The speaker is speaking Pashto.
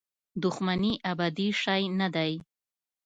دښمني ابدي شی نه دی.